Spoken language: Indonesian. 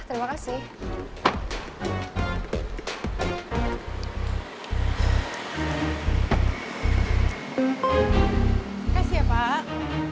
terima kasih ya pak